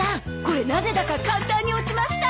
これなぜだか簡単に落ちました！